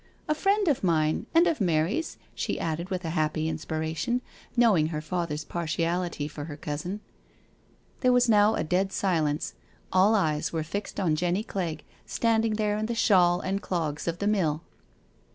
" A friend of mine— and of Mary's," she added with a happy inspiration, knowing her father's partiality for her cousin. There was now a dead silence. All eyes were fixed on Jenny Clegg, standing there in the shawl and clogs of the mill.